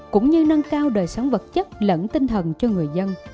cũng như nâng cao đời sống vật chất lẫn tinh thần cho người dân